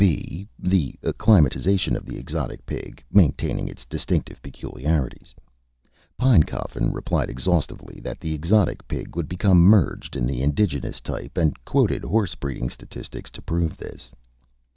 (b) The acclimatization of the exotic Pig, maintaining its distinctive peculiarities." Pinecoffin replied exhaustively that the exotic Pig would become merged in the indigenous type; and quoted horse breeding statistics to prove this.